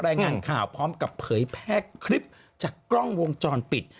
รายงานข่าวพร้อมกับเผยแพร่คลิปจากกล้องวงจรปิด